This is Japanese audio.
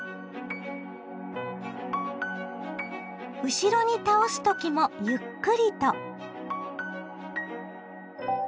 後ろに倒す時もゆっくりと。